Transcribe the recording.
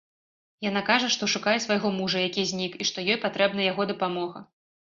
Яна кажа, што шукае свайго мужа, які знік, і што ёй патрэбна яго дапамога.